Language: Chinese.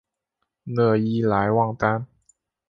讷伊莱旺丹。